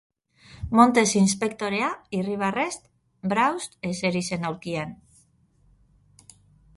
Montes inspektorea, irribarrez, braust eseri zen aulkian.